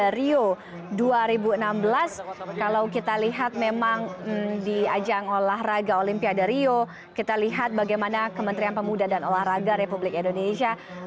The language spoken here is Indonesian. dari rio dua ribu enam belas kalau kita lihat memang di ajang olahraga olimpiade rio kita lihat bagaimana kementerian pemuda dan olahraga republik indonesia